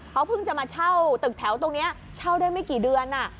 เขาเพิ่งจะมาเช่าตึกแถวตรงนี้เช่าได้ไม่กี่เดือน